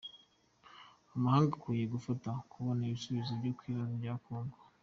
Amahanga akwiye gufasha kubona igisubizo ku bibazo bya Congo